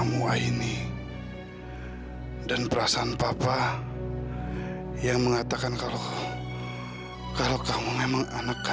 bukan bukan bukan begitu zaira bukan begitu